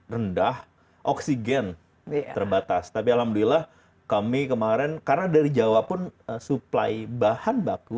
rendah oksigen terbatas tapi alhamdulillah kami kemarin karena dari jawa pun suplai bahan baku